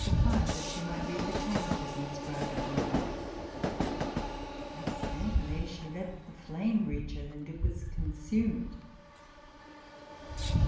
the fire, that she might read the characters inscribed upon it. Accidentally she let the flame reach it, and it was consumed.